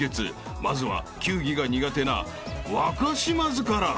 ［まずは球技が苦手な若島津から］